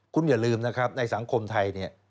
คุณอย่าลืมนะครับในสังคมไทยเนี่ย